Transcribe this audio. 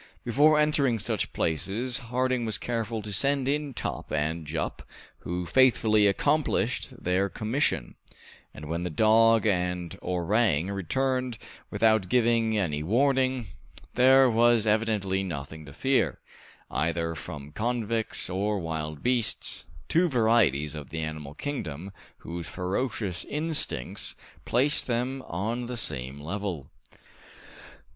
Before entering such places Harding was careful to send in Top and Jup, who faithfully accomplished their commission, and when the dog and orang returned without giving any warning, there was evidently nothing to fear, either from convicts or wild beasts, two varieties of the animal kingdom, whose ferocious instincts placed them on the same level.